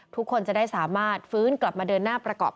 ทุกคนจะได้สามารถฟื้นกลับมาเดินหน้าประกอบ